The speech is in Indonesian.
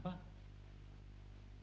tidak pernah pak